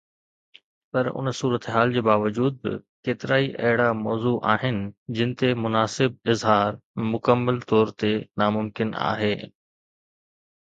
پر ان صورتحال جي باوجود به ڪيترائي اهڙا موضوع آهن جن تي مناسب اظهار مڪمل طور تي ناممڪن آهي.